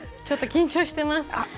ちょっと緊張してます。